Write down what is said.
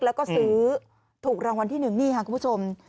แล้วก็ซื้อถูกรางวัลที่๑นี่ค่ะคุณผู้ชม